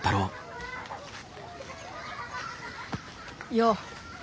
よう。